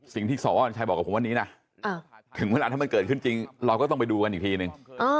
สิ่งที่สวัญชัยบอกกับผมวันนี้นะถึงเวลาถ้ามันเกิดขึ้นจริงเราก็ต้องไปดูกันอีกทีนึง